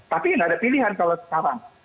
tapi nggak ada pilihan kalau sekarang